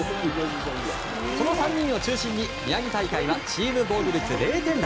この３人を中心に宮城大会はチーム防御率０点台。